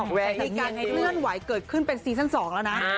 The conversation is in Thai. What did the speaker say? สักทีการให้ที่นั่นไหวเกิดขึ้นเป็นซีสัน๒แล้วนะ